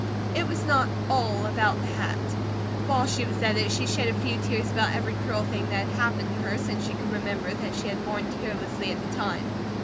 It was not ALL about the hat. While she was at it, she shed a few tears about every cruel thing that had happened to her since she could remember that she had borne tearlessly at the time.